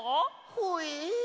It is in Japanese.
ほえ！？